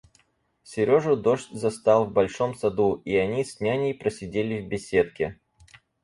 Сережу дождь застал в большом саду, и они с няней просидели в беседке.